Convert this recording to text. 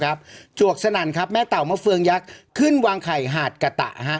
จวกสนั่นครับแม่เต่ามะเฟืองยักษ์ขึ้นวางไข่หาดกะตะ